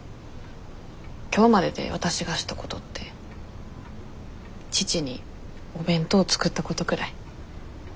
今日まででわたしがしたことって父にお弁当作ったことくらい。